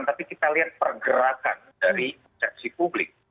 tapi kita lihat pergerakan dari persepsi publik